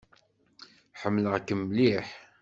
Ḥemmleɣ-kem mliḥ.